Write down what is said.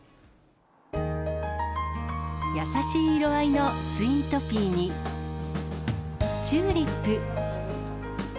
優しい色合いのスイートピーに、チューリップ。